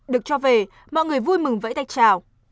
được cho về mọi người vui mừng vẫy tay chào